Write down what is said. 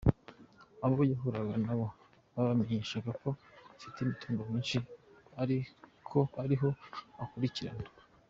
Abo yahuraga nabo yabamenyeshaga ko afite imitungo myishi ariho akurikirana.